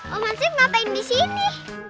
om hansip ngapain disini